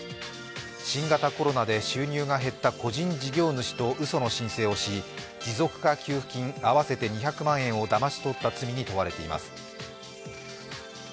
新型コロナで収入が減った個人事業主とうその申請をし、持続化給付金合わせて２００万円をだまし取った罪に問われています。